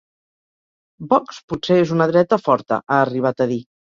Vox potser és una dreta forta, ha arribat a dir.